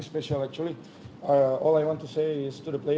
mereka akan keluar ke semisal ini dan bermain